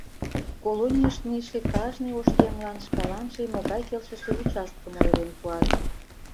Колонийыш мийыше кажне ош еҥлан шкаланже могай келшыше участкым ойырен пуат...